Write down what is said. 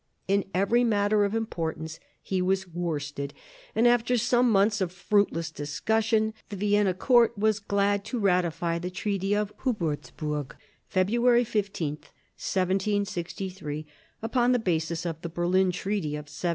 In every matter of importance he was worsted; and after some months of fruitless discussion the Vienna court was glad to ratify the Treaty of Hubertsburg (February 15, 1763) upon the basis of the Berlin Treaty of 1745.